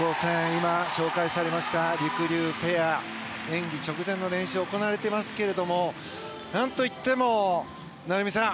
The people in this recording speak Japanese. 今、紹介されましたりくりゅうペア、演技直前の練習が行われていますが何といっても、成美さん。